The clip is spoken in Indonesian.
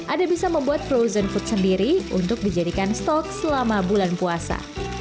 anda bisa membuat frozen food sendiri untuk dijadikan stok selama bulan puasa